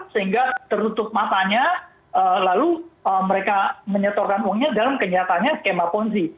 sehingga tertutup matanya lalu mereka menyetorkan uangnya dalam kenyataannya skema ponzi